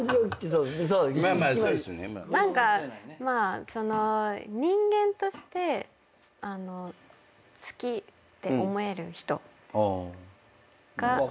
何かそのう人間として好きって思える人。が。